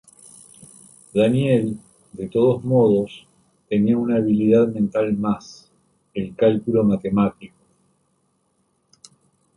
Daniel, de todos modos, tenía una habilidad mental más: el cálculo matemático.